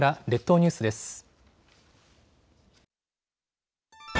列島ニュースです。